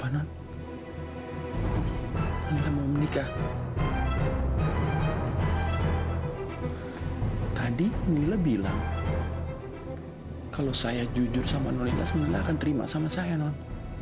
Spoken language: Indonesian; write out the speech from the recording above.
nona nila sebenarnya akan terima sama saya non